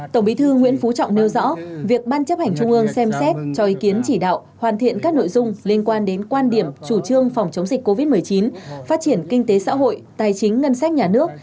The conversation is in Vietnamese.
tổng bí thư nguyễn phú trọng nêu rõ việc ban chấp hành trung ương xem xét cho ý kiến chỉ đạo hoàn thiện các nội dung liên quan đến quan điểm chủ trương phòng chống dịch covid một mươi chín phát triển kinh tế xã hội tài chính ngân sách nhà nước